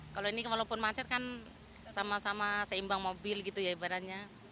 kalau ini walaupun macet kan sama sama seimbang mobil gitu ya ibaratnya